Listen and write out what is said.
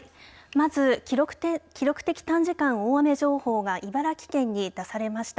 まず記録的短時間大雨情報が茨城県に出されました。